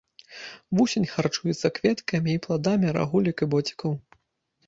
Вусень харчуецца кветкамі і пладамі рагулек і боцікаў.